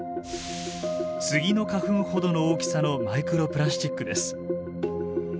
スギの花粉ほどの大きさのマイクロプラスチックです。